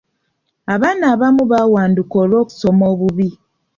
Abaana abamu baawanduka olw'okusoma obubi.